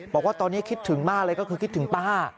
บอกว่าตอนนี้คิดถึงมากเลยก็คือคิดถึงป้า